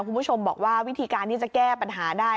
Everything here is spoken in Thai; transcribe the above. คุณผู้ชมบอกว่าวิธีการที่จะแก้ปัญหาได้